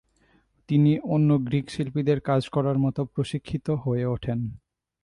তিনি অন্য গ্রীক শিল্পীদের কাজ করার মতো প্রশিক্ষিত হয়ে ওঠেন।